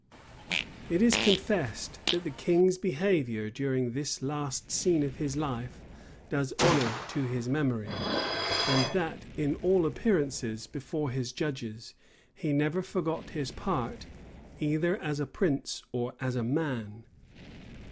It is confessed, that the king's behavior during this last scene of his life does honor to his memory; and that, in all appearances before his judges, he never forgot his part, either as a prince or as a man.